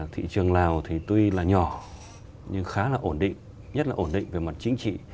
thị trường lào thì tuy là nhỏ nhưng khá là ổn định nhất là ổn định về mặt chính trị